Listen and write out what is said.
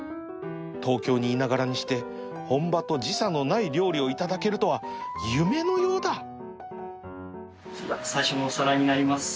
東京にいながらにして本場と時差のない料理を頂けるとは夢のようだ最初のお皿になります。